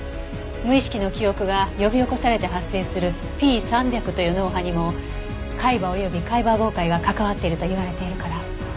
無意識の記憶が呼び起こされて発生するＰ３００という脳波にも海馬および海馬傍回が関わってるといわれているから。